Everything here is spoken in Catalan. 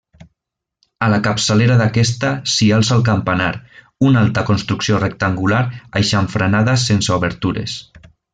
A la capçalera d'aquesta s'hi alça el campanar, una alta construcció rectangular aixamfranada sense obertures.